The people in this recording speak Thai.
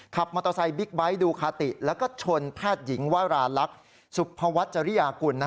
ขับมอเตอร์ไซค์บิ๊กไบท์ดูคาติแล้วก็ชนแพทย์หญิงวาราลักษณ์สุภวัชริยากุล